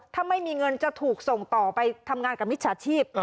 ถ้าไม่มีเงินจะถูกส่งต่อไปทำงานกับมิจฉาชีพ